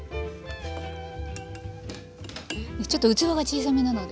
ちょっと器が小さめなので。